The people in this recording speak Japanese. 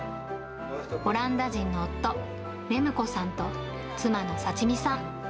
オランダ人の夫、レムコさんと妻の幸美さん。